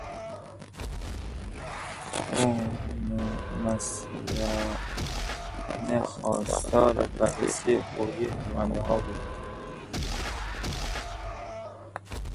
او مصرانه خواستار بررسی فوری پروندهها بود.